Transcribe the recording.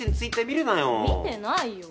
見てないよ。